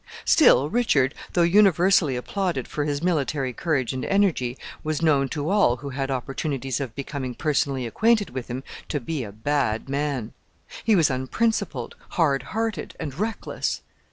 Still, Richard, though universally applauded for his military courage and energy, was known to all who had opportunities of becoming personally acquainted with him to be a bad man. He was unprincipled, hard hearted, and reckless.